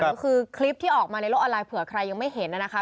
ก็คือคลิปที่ออกมาในโลกออนไลน์เผื่อใครยังไม่เห็นนะคะ